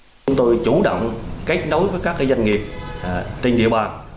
chúng tôi chủ động kết nối với các doanh nghiệp trên địa bàn